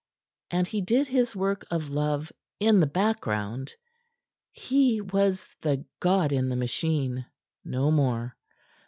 And he did his work of love in the background. He was the god in the machine; no more.